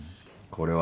これは。